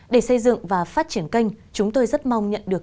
để xây dựng và phát triển kênh chúng tôi rất mong nhận được